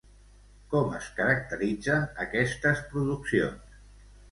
Com es caracteritzen aquestes produccions?